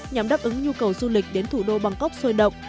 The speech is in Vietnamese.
nhằm đáp ứng nhu cầu du lịch đến thủ đô bangkok sôi động